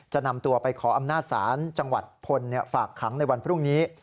นำตัวไปขออำนาจศาลจังหวัดพลฝากขังในวันพรุ่งนี้